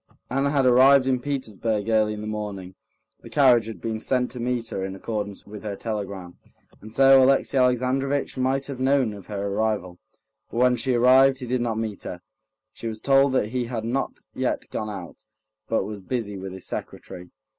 Anna had arrived in Petersburg early in the morning; the carriage had been sent to meet her in accordance with her telegram, and so Alexey Alexandrovitch might have known of her arrival. But when she arrived, he did not meet her. She was told that he had not yet gone out, but was busy with his secretary.